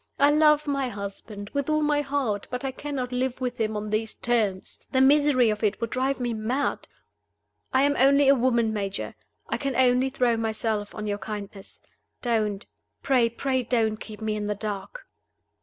I love my husband with all my heart; but I cannot live with him on these terms: the misery of it would drive me mad. I am only a woman, Major. I can only throw myself on your kindness. Don't pray, pray don't keep me in the dark!"